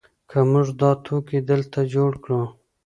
که موږ دا توکي دلته جوړ کړو.